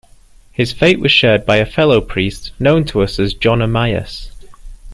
His fate was shared by a fellow priest, known to us as John Amias.